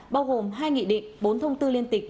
bao gồm hai nghị định bốn thông tư liên tịch